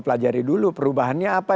pelajari dulu perubahannya apa